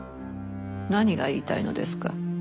何が言いたいのですか？